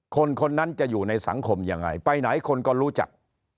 คนคนนั้นจะอยู่ในสังคมยังไงไปไหนคนก็รู้จัก